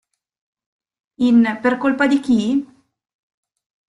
In "Per colpa di chi?